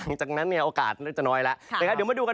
หลังจากนั้นเนี่ยโอกาสเริ่มจะน้อยแล้วนะครับเดี๋ยวมาดูกัน